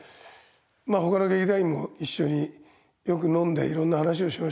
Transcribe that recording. まあ他の劇団員も一緒によく飲んで色んな話をしましたから。